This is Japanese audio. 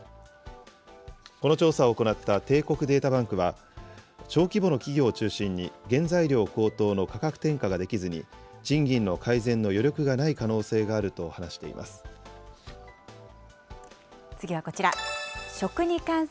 この調査を行った帝国データバンクは、小規模の企業を中心に原材料高騰の価格転嫁ができずに、賃金の改善の余力がない可能性があると話しています。